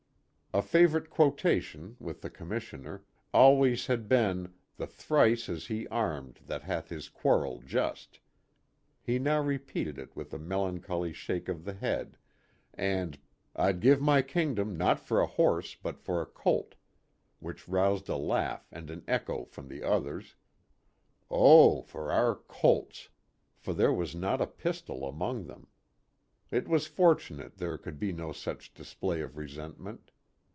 A favorite quotation with the Commissioner always had been the " thrice is he armed that hath his quarrel just" he now repeated it with a melancholy shake of the head, and, " I'd give my kingdom not for a horse but for a colt ;" which roused a laugh and an echo from the others, " oh ! for our ' Colts '" for there was not a pistol among them. It was fortunate there could be no such display of resentment.